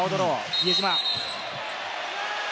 比江島。